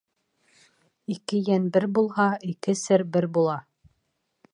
Ике йән бер булһа, ике сер бер була.